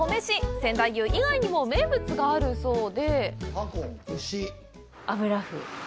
仙台牛以外にも名物があるそうで油麩。